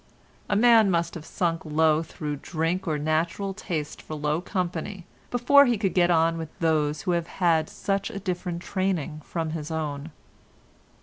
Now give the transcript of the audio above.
A man must have sunk low through drink or natural taste for low company, before he could get on with those who have had such a different training from his own."